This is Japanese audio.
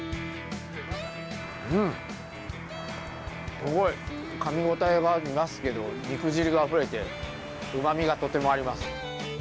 うん、すごいかみ応えがありますけど、肉汁があふれて、うまみがとてもあります。